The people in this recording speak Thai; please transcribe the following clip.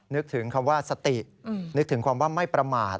นึกถึงคำว่าสตินึกถึงความว่าไม่ประมาท